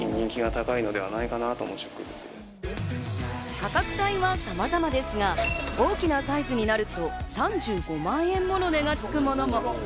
価格帯はさまざまですが大きなサイズになると３５万円もの値がつくものも。